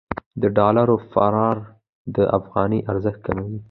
د ډالر فرار د افغانۍ ارزښت کموي.